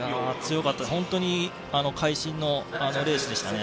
本当に会心のレースでしたね。